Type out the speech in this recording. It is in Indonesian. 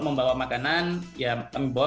membawa makanan ya membawa